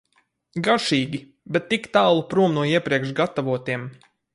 Garšīgi, bet tik tālu prom no iepriekš gatavotiem.